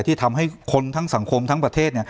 ที่ทำให้คนทั้งสังคมทั้งประเทศ